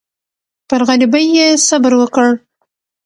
پر غریبۍ یې صبر وکړ.